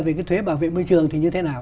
về cái thuế bảo vệ môi trường thì như thế nào